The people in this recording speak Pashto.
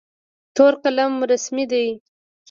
تور قلم رسمي دی.